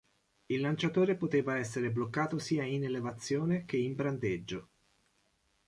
Il lanciatore poteva essere bloccato sia in elevazione che in brandeggio.